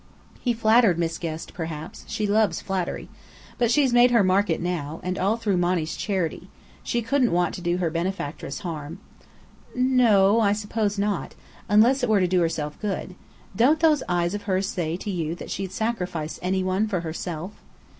"He flattered Miss Guest, perhaps. She loves flattery. But she's made her market now, and all through Monny's charity. She couldn't want to do her benefactress harm." "No o, I suppose not. Unless it were to do herself good. Don't those eyes of hers say to you that she'd sacrifice any one for herself?"